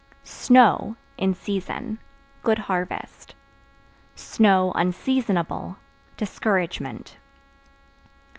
Snow (In season) good harvest; (unseasonable) discouragement.